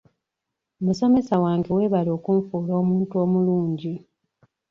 Musomesa wange weebale okunfuula omuntu omulungi.